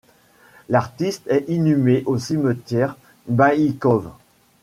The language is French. L'artiste est inhumée au cimetière Baïkove.